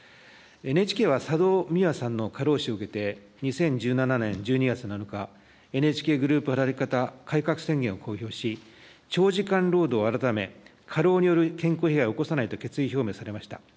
ＮＨＫは、佐戸未和さんの過労死を受けて、２０１７年１２月７日、ＮＨＫグループ働き方改革宣言を公表し、長時間労働を改め、過労による健康被害を起こさないと決意表明されました。